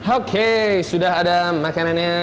oke sudah ada makanannya